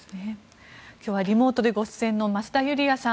今日はリモートでご出演の増田ユリヤさん